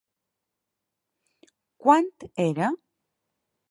Quant era?